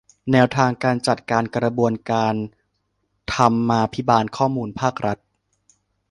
แนวทางการจัดการกระบวนการธรรมาภิบาลข้อมูลภาครัฐ